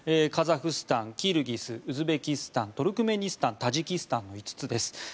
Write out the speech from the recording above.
カザフスタン、キルギスウズベキスタントルクメニスタンタジキスタンの５つです。